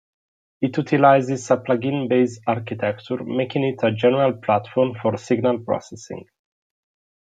It utilizes a plug-in based architecture making it a general platform for signal processing.